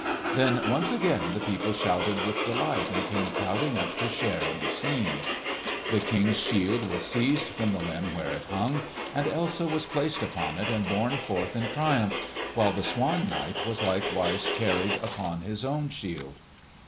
Then once again the people shouted with delight, and came crowding up to share in the scene. The King's shield was seized from the limb where it hung, and Elsa was placed upon it and borne forth in triumph, while the Swan Knight was likewise carried upon his own shield.